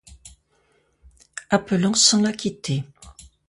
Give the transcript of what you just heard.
Appelant sans la quitter.